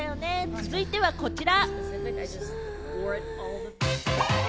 続いてはこちら。